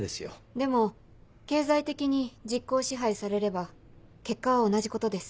でも経済的に実効支配されれば結果は同じことです。